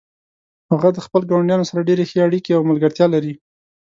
هغه د خپلو ګاونډیانو سره ډیرې ښې اړیکې او ملګرتیا لري